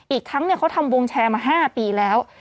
อีกทั้งเขาทำวงแชร์มา๕ปีแล้ว